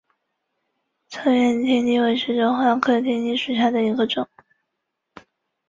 托林可以作为天体表面防止紫外线辐射的有效屏障。